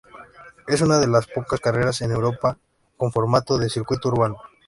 Es una de los pocas carreras en Europa con formato de circuito urbano.